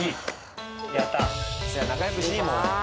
やったー